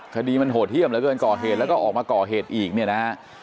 คดีมันโหดเฮี่ยมเกินก่อเหตุแล้วก็ออกมาก่อเหตุอีกนะฮะ